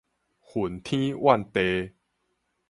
恨天怨地